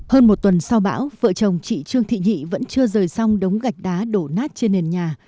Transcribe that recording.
hơn một tuần sau bão vợ chồng chị trương thị nhị vẫn chưa rời xong đống gạch đá đổ nát trên nền nhà